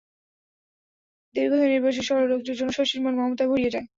দীর্ঘদেহ নির্ভরশীল সরল লোকটির জন্য শশীর মন মমতায় ভরিয়া যায়।